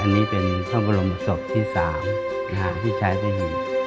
อันนี้เป็นพรรมประสบที่๓ที่ใช้พระหีพ